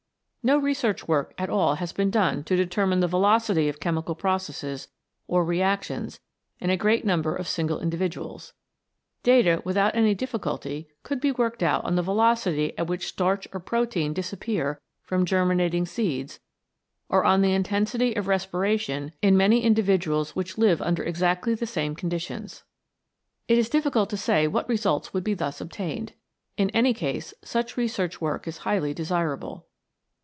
No research work at all has been done to determine the velocity of chemical processes or reactions in a great number of single individuals. Data without any difficulty could be worked out on the velocity at which starch or protein disappear from germinating seeds or on the intensity of respiration in many individuals which live under exactly the same conditions. It is difficult to say what results would be thus obtained. In any case such research work is highly desirable.